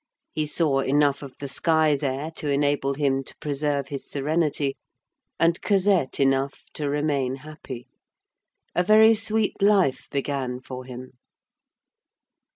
He saw enough of the sky there to enable him to preserve his serenity, and Cosette enough to remain happy. A very sweet life began for him.